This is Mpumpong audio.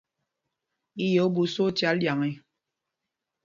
I yɛ̄ ú ɓuu sá ócâl ɗyaŋ e ?